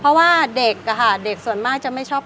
เพราะว่าเด็กค่ะเด็กส่วนมากจะไม่ชอบ